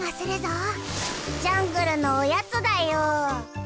ジャングルのおやつだよ！